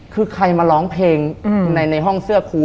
คือใครมาร้องเพลงในห้องเสื้อครู